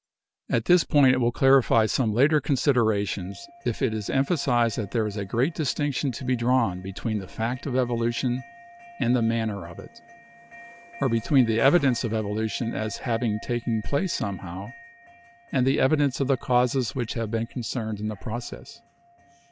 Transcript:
At this point it will clarify some later considerations if it is emphasized that there is a great distinction to be drawn between the fact of evolution and the manner of it, or between the evidence of evolution as having taken place somehow, and the evidence of the causes which have been concerned in the process.